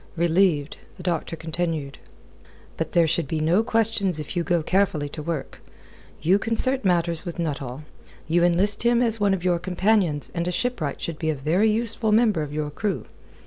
Relieved, the doctor continued: "But there should be no questions if you go carefully to work. You concert matters with Nuttall. You enlist him as one of your companions and a shipwright should be a very useful member of your crew.